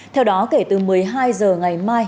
theo đó kể từ một mươi hai h ngày mai